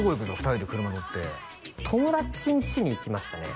２人で車乗って友達んちに行きましたね